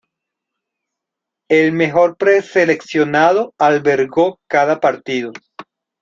El mejor preseleccionado albergó cada partido.